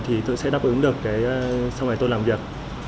thì tôi sẽ đáp ứng được cái sau này tôi làm việc